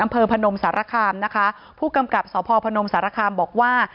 พนมสารคามนะคะผู้กำกับสพพนมสารคามบอกว่า